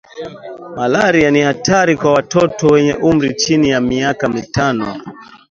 malaria ni hatari kwa watotot wenye umri chini ya miaka mitano